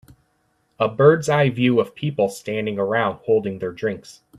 A birdseye view of people standing around holding their drinks.